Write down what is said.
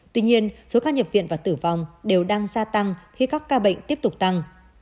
tuy nhiên số ca nhập viện và tử vong đều đang gia tăng khi các ca bệnh tiếp tục tăng